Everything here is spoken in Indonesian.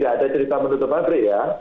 ada cerita menutup pabrik ya